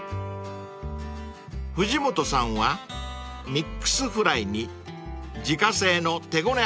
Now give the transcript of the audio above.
［藤本さんはミックスフライに自家製の手ごね